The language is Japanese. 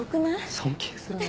尊敬するね。